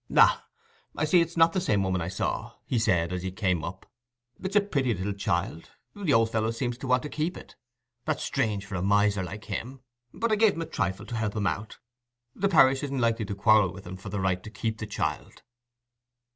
"Ah, I see it's not the same woman I saw," he said, as he came up. "It's a pretty little child: the old fellow seems to want to keep it; that's strange for a miser like him. But I gave him a trifle to help him out: the parish isn't likely to quarrel with him for the right to keep the child."